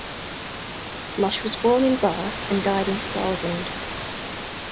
Losch was born in Barth and died in Stralsund.